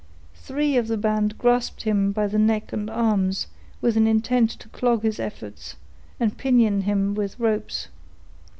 Three of the band grasped him by the neck and arms, with an intent to clog his efforts, and pinion him with ropes.